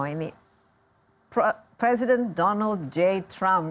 ini presiden donald j trump